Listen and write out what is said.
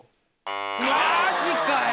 マジかよ。